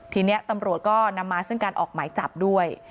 ทีนี้ตำรวจก็นำมาซึ่งการออกหมายจับด้วย